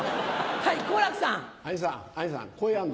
はい好楽さん。